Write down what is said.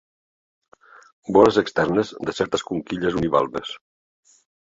Vores externes de certes conquilles univalves.